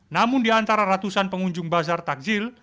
namun diantara ratusan pengunjung bazar takjil